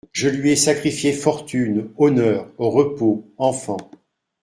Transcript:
Je lui ai sacrifié fortune, honneur, repos, enfants.